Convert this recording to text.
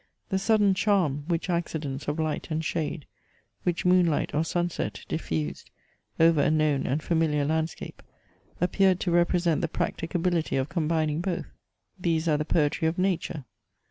The sudden charm, which accidents of light and shade, which moon light or sunset diffused over a known and familiar landscape, appeared to represent the practicability of combining both. These are the poetry of nature.